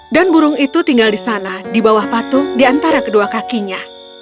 dan burung itu tinggal di sana di bawah patung di antara kedua kakinya